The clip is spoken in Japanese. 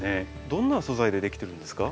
どんな素材でできてるんですか？